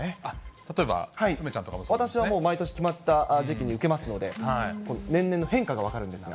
例えば、私はもう、毎年決まった時期に受けますので、年々の変化が分かるんですが。